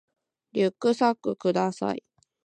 リュックサックください